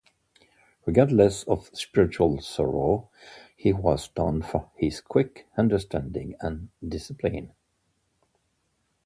Regardless of spiritual sorrow, he was known for his quick understanding and discipline.